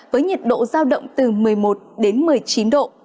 với nhiệt độ giao động từ một mươi một đến một mươi chín độ